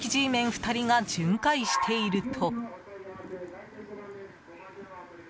２人が巡回していると。